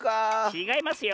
ちがいますよ。